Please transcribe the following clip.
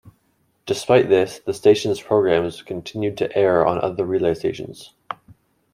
Despite this, The station's programs continued to air on other relay stations.